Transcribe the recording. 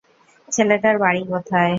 ছেলেটার বাড়ি কোথায়?